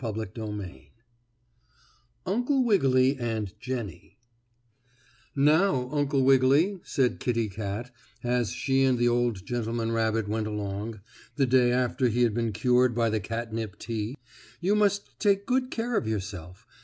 STORY XXIX UNCLE WIGGILY AND JENNIE "Now, Uncle Wiggily," said Kittie Kat, as she and the old gentleman rabbit went along, the day after he had been cured by the catnip tea, "you must take good care of yourself.